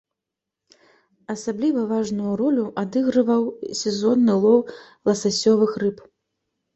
Асабліва важную ролю адыгрываў сезонны лоў ласасёвых рыб.